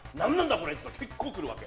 これっていうのが結構来るわけ。